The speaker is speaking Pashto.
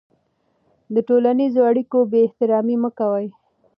د ټولنیزو اړیکو بېاحترامي مه کوه.